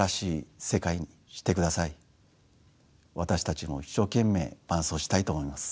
私たちも一生懸命伴走したいと思います。